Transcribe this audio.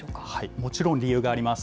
もちろん理由があります。